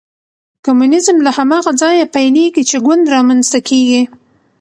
کمونیزم له هماغه ځایه پیلېږي چې ګوند رامنځته کېږي.